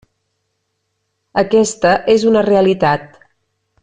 Aquesta és una realitat.